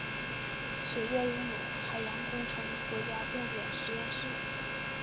学院拥有海洋工程国家重点实验室。